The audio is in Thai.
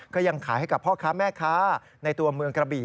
ก็ยังขายให้กับพ่อค้าแม่ค้าในตัวเมืองกระบี่